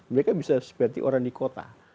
mereka bisa seperti orang di kota